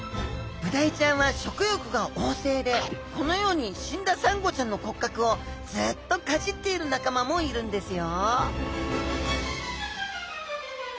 ブダイちゃんは食欲が旺盛でこのように死んだサンゴちゃんの骨格をずっとかじっている仲間もいるんですよ